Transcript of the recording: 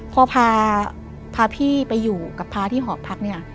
พอพาพี่ไปอยู่กับพระที่หอพักเนี่ย